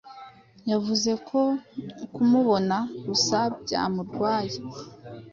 Yavuze ko kumubona gusa byamurwaye.